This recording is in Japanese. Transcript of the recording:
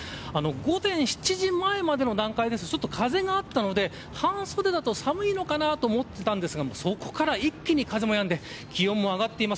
午前７時前までの段階ですと風があったので半袖だと寒いのかなと思っていたんですがそこから一気に風もやんで気温も上がっています。